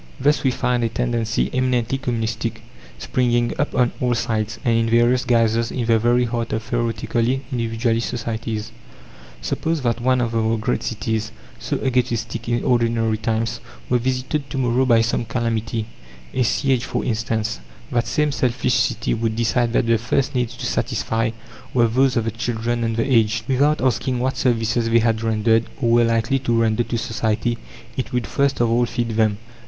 Thus we find a tendency, eminently communistic, springing up on all sides, and in various guises, in the very heart of theoretically individualist societies. Suppose that one of our great cities, so egotistic in ordinary times, were visited to morrow by some calamity a siege, for instance that same selfish city would decide that the first needs to satisfy were those of the children and the aged. Without asking what services they had rendered, or were likely to render to society, it would first of all feed them.